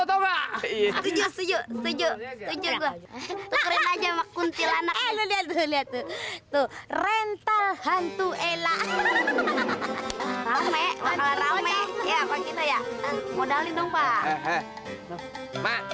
tujuan aja makuntil anaknya tuh rental hantu ella